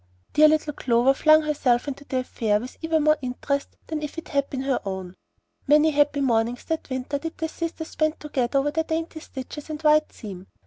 Dear little Clover flung herself into the affair with even more interest than if it had been her own. Many happy mornings that winter did the sisters spend together over their dainty stitches and "white seam."